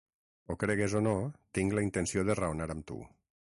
Ho cregues o no, tinc la intenció de raonar amb tu.